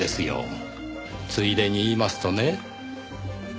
ついでに言いますとね。